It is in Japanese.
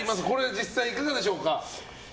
実際、いかがでしょうか。